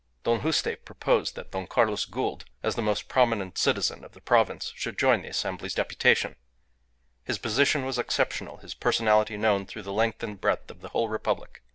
Don Juste proposed that Don Carlos Gould, as the most prominent citizen of the province, should join the Assembly's deputation. His position was exceptional, his personality known through the length and breadth of the whole Republic.